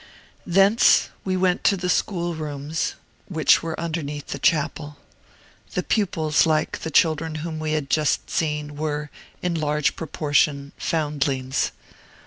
Thence we went to the school rooms, which were underneath the chapel. The pupils, like the children whom we had just seen, were, in large proportion, foundlings.